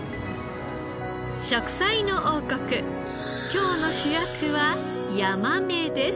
『食彩の王国』今日の主役はヤマメです。